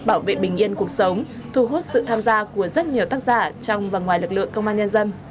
bảo vệ bình yên cuộc sống thu hút sự tham gia của rất nhiều tác giả trong và ngoài lực lượng công an nhân dân